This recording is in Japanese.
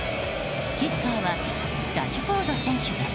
キッカーはラシュフォード選手です。